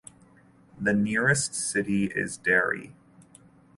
The nearest city is Dehri.